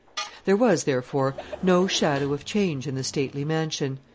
There was, therefore, no shadow of change in the stately mansion.